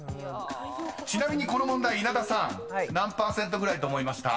［ちなみにこの問題稲田さん何％ぐらいだと思いました？］